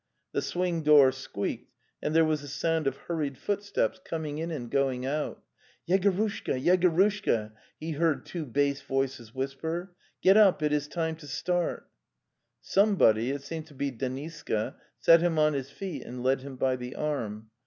The swing door squeaked, and there was the sound of hurried footsteps, coming in and going out. '""Yegorushka, Yegorushka!"' he heard two bass voices whisper. '' Get up; it is time to start." Somebody, it seemed to be Deniska, set him on his feet and led him by the arm.